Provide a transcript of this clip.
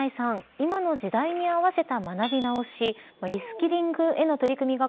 今の時代に合わせた学び直しリスキリングへの取り組みが